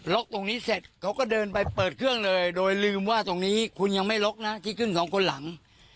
ตรงนี้เสร็จเขาก็เดินไปเปิดเครื่องเลยโดยลืมว่าตรงนี้คุณยังไม่ล็อกนะที่ขึ้นสองคนหลัง